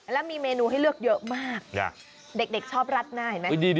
แล้วมีเมนูให้เลือกเยอะมากเด็กชอบรัดหน้าเห็นไหม